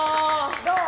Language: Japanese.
どう？